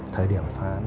thời điểm phá án